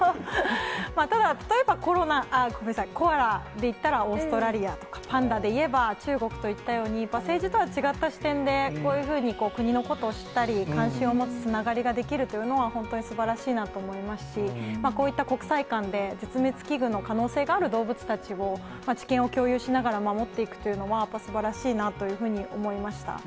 ただ、例えばコアラで言ったらオーストラリアとか、パンダでいえば中国といったような、政治とは違った視点で、こういうふうに国のことを知ったり、関心を持つつながりができるというのは、本当にすばらしいなと思いますし、こういった国際間で絶滅危惧の可能性がある動物たちを、知見を共有しながら守っていくというのは、やっぱりすばらしいなというふうに思いました。